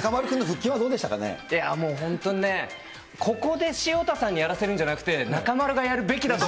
中丸君の腹筋はどうでしたかもう本当にね、ここで潮田さんにやらせるんじゃなくて、中丸がやるべきだと。